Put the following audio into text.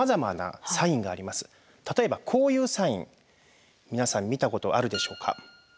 例えばこういうサイン皆さん見たことあるでしょうか？